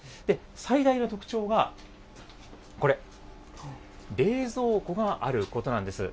最大の特徴がこれ、冷蔵庫があることなんです。